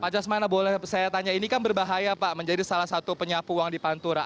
pak casmana boleh saya tanya ini kan berbahaya pak menjadi salah satu penyapu uang di pantura